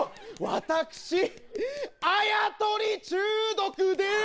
私あや取り中毒です。